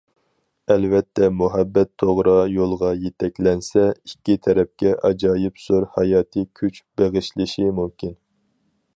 ئەلۋەتتە، مۇھەببەت توغرا يولغا يېتەكلەنسە، ئىككى تەرەپكە ئاجايىپ زور ھاياتىي كۈچ بېغىشلىشى مۇمكىن.